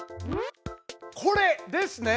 これですね！